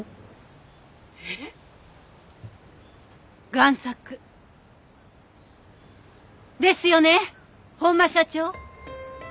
贋作ですよね本間社長。